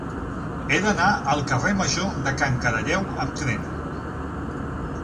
He d'anar al carrer Major de Can Caralleu amb tren.